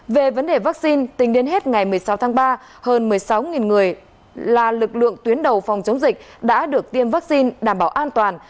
về vấn đề vaccine tính đến hết ngày một mươi sáu tháng ba hơn một mươi sáu người là lực lượng tuyến đầu phòng chống dịch đã được tiêm vaccine đảm bảo an toàn